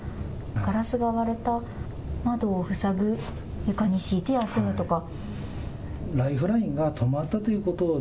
ガラスが割れた、窓を塞ぐ、床に敷いて休むとか。